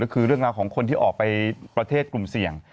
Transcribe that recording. ก็คือเรื่องราวของคนที่ออกไปประเทศกลุ่มเสี่ยง